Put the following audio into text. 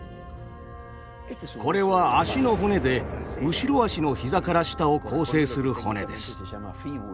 これは脚の骨で後ろあしの膝から下を構成する骨です。